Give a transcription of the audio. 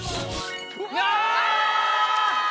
うわ！